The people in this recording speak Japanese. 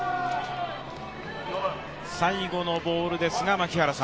最後のボールですが、槙原さん。